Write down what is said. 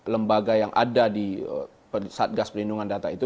lembaga yang ada di satgas perlindungan data itu